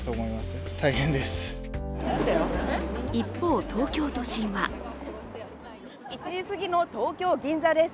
一方、東京都心は１時すぎの東京・銀座です。